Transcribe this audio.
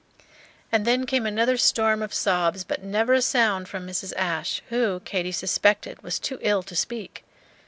And then came another storm of sobs, but never a sound from Mrs. Ashe, who, Katy suspected, was too ill to speak.